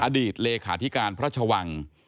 อดีตเลขาธิการพระชวัง